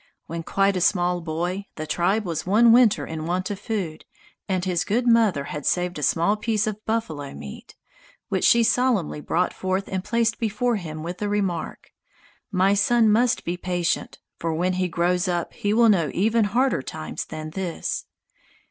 When quite a small boy, the tribe was one winter in want of food, and his good mother had saved a small piece of buffalo meat, which she solemnly brought forth and placed before him with the remark: 'My son must be patient, for when he grows up he will know even harder times than this.